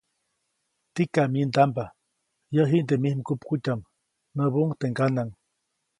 ‒Tikam myindamba, yäʼ jiʼnde mij mgupkutyaʼm-, näbuʼuŋ teʼ ŋganaʼŋ.